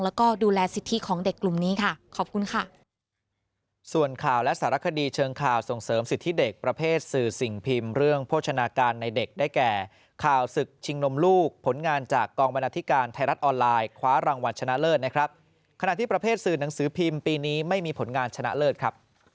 แล้วก็ดูแลสิทธิของเด็กกลุ่มนี้ค่ะขอบคุณค่ะ